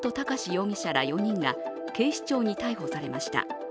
容疑者ら４人が警視庁に逮捕されました。